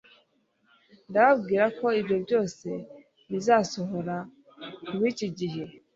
Ndababwira ko ibyo byose bizasohora ku b'iki gihe."